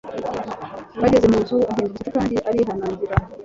Bageze mu nzu, ahinda umushyitsi kandi arinangira